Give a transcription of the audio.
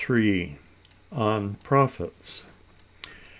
—on profits.